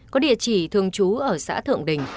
có địa chỉ thường trú ở xã thượng đình